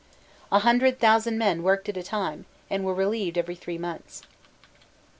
A hundred thousand men worked at a time, and were relieved every three months.